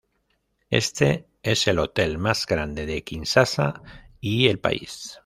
Este es el hotel más grande de Kinsasa y el país.